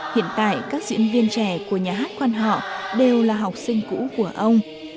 hiện tại các diễn viên trẻ của nhà hát quan họ đều là học sinh cũ của ông